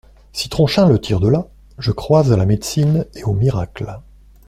Si Tronchin le tire de là, je crois à la médecine et aux miracles.